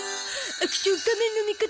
アクション仮面の味方